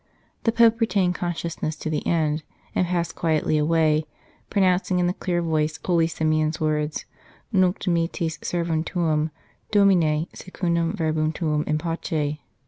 The Pope retained consciousness to the end, and passed quietly away, pronouncing in a clear voice holy Simeon s words :" Nunc dimittis servum tuum, Domine, secundum verbum tuum in pace."